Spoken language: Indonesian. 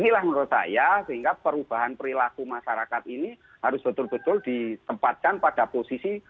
itu berubah sehingga perubahan perilaku masyarakat ini harus betul betul ditempatkan pada posisi